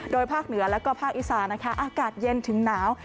โดยภาคเหนือและภาคอิสาอากาศเย็นถึงหนาว